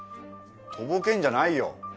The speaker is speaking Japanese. とぼけんじゃないよ。